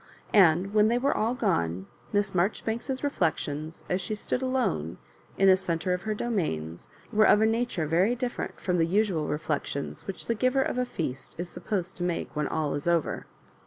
And when they were all gone. Miss Marjoribanks's reflections, as she stood alone in the centre of her domains, were of a nature very different from the usual reflections which the giver of a feast is supposed to make when all is over.